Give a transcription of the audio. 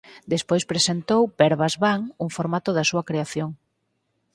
Despois presentou "Verbas Van" un formato da súa creación.